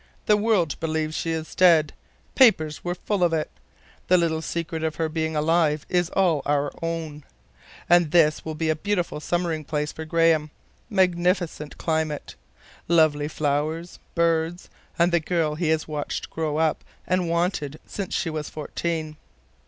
The world believes she is dead. Papers were full of it. The little secret of her being alive is all our own. And this will be a beautiful summering place for Graham. Magnificent climate. Lovely flowers. Birds. And the girl he has watched grow up, and wanted, since she was fourteen."